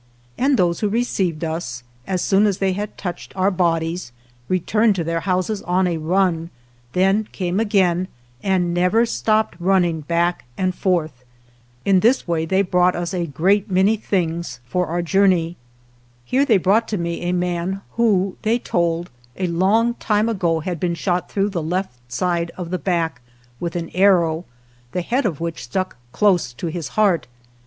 And those who re ceived us, as soon as they had touched our bodies, returned to their houses on a run, then came again, and never stopped running back and forth. In this way they brought us a great many things for our journey. Here they brought to me a man who, they told, a long time ago had been shot through the left side of the back with an arrow, the head of which stuck close to his heart.